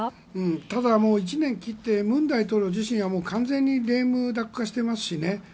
ただ、もう１年切って文大統領自身は完全にレームダック化してますしね。